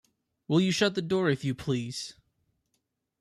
Will you shut the door, if you please?